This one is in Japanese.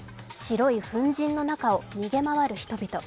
白い粉じんの中を逃げ回る人々。